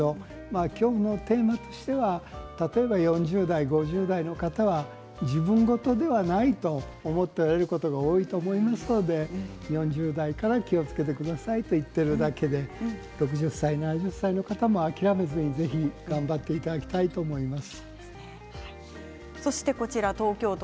今日のテーマとしては例えば４０代５０代の方は自分事ではないと思っておられる方が多いと思いますので４０代から気をつけてくださいと言っているだけで６０歳７０歳の方は諦めずにぜひ頑張っていただきたいと思います。